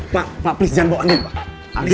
pak please jangan bawa andi